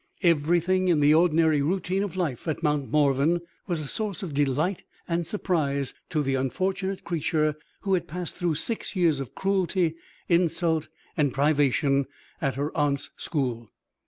Everything in the ordinary routine of life at Mount Morven was a source of delight and surprise to the unfortunate creature who had passed through six years of cruelty, insult, and privation at her aunt's school.